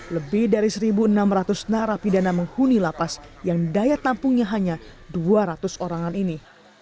lebih dari satu enam ratus narapidana menghuni lapas yang daya tampungnya hanya dua ratus orangan ini